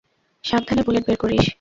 সাবধানে বুলেট বের করিস।